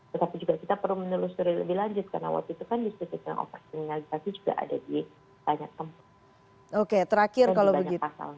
tetapi juga kita perlu meneruskan lebih lanjut karena waktu itu kan di situ situ yang overkriminalisasi juga ada di banyak tempat